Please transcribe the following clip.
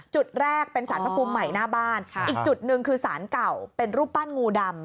จุดแรกเป็นสารพระภูมิใหม่หน้าบ้านอีกจุดหนึ่งคือสารเก่าเป็นรูปปั้นงูดำ